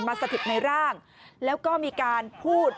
สถิตในร่างแล้วก็มีการพูด